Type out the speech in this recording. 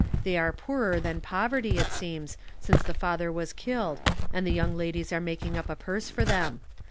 They are poorer than poverty, it seems, since tlie father was killed, and the young ladies are making up a purse for them.